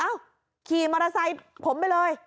ขี่มอเตอร์ไซค์ผมไปเลย